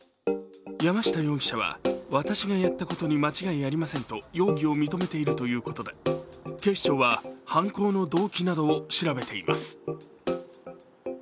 山下容疑者は、私がやったことに間違いありませんと容疑を認めているということで警視庁は犯行の動機などを調べています。